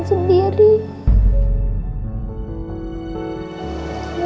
aku mau pulih ngerah